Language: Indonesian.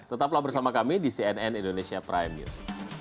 tetaplah bersama kami di cnn indonesia prime news